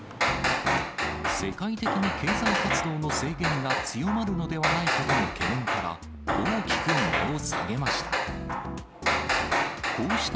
世界的に経済活動の制限が強まるのではないかとの懸念から、大きく値を下げました。